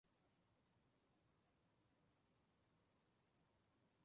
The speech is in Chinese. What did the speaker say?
塞普泰姆人口变化图示